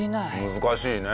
難しいね。